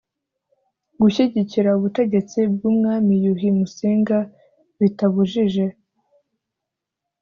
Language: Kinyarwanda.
gushyigikira ubutegetsi bw umwami yuhi musinga bitabujije